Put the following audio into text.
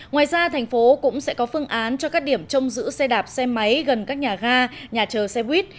ngoài ra thành phố cũng sẽ có phương án cho các điểm trông giữ xe đạp xe máy gần các nhà ga nhà chờ xe buýt